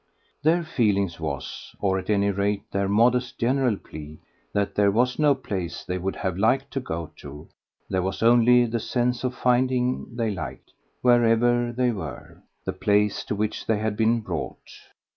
Their feeling was or at any rate their modest general plea that there was no place they would have liked to go to; there was only the sense of finding they liked, wherever they were, the place to which they had been brought.